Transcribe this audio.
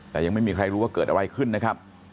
แต่ยังไม่มีใครรู้ว่าเกิดอะไรขึ้นนะครับ